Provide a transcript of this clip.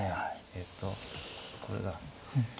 えとこれだ。